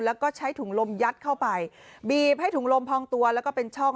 แล้วก็ใช้ถุงลมยัดเข้าไปบีบให้ถุงลมพองตัวแล้วก็เป็นช่อง